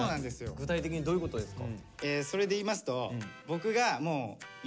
具体的にどういうことですか？